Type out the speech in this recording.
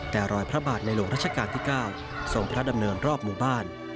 แต่รอยพระบาทในหลวงรัชกาลที่๙ทรงพระดำเนินรอบหมู่บ้าน